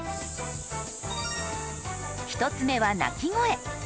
１つ目は鳴き声。